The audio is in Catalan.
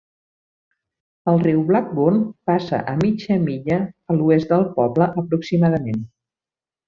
El riu Blackbourne passa a mitja milla a l'oest del poble aproximadament.